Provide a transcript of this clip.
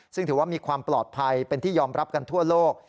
ซึ่งถือว่ามีความปลอดภัยเป็นที่ยอมรับกันทั่วโลก